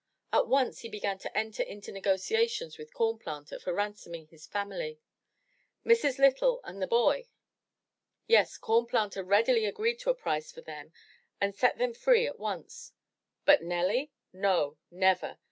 At once he began to enter into negotiations with Corn Planter for ransoming his family. Mrs. Lytle and the boy? — Yes, Corn Planter readily agreed on a price for them and set them free at once, but Nelly! — No, never!